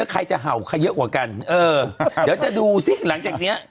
ใครจะเห่าใครเยอะกว่ากันเออเดี๋ยวจะดูสิหลังจากเนี้ย